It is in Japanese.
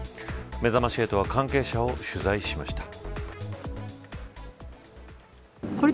めざまし８は関係者を取材しました。